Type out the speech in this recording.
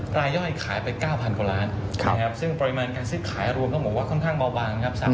ซึ่งปริมาณการซื้อขายรวมเขาบอกว่าค่อนข้างเบาบางนะครับ๓๗๐๐๐กว่าล้าน